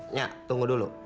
nyak tunggu dulu